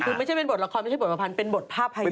คือไม่ใช่เป็นบทละครไม่ใช่บทประพันธ์เป็นบทภาพภัย